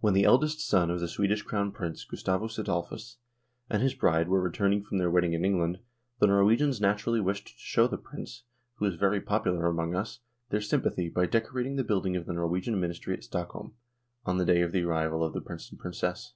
When the eldest son of the Swedish Crown Prince, Gustavus Adolphus, and his bride were returning from their wedding in England, the Norwegians naturally wished to show the Prince, who was very popular among us, their sympathy by deco rating the building of the Norwegian Ministry at Stockholm on the day of the arrival of the Prince and Princess.